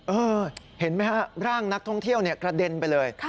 เห็นไหมฮะร่างนักท่องเที่ยวกระเด็นไปเลย